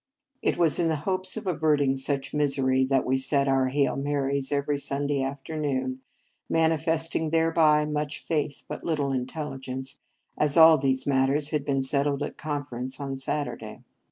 It was in the hopes of avert ing such misery that we said our " Hail Marys" every Sunday afternoon, mani festing thereby much faith but little intelligence, as all these matters had been settled at " Conference " on Sat urday.